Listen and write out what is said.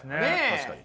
確かに。